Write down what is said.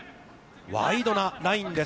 ワイドなラインです。